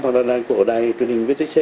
hoặc là là của đài truyền hình vtc